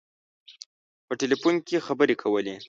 په ټلفون کې خبري کولې.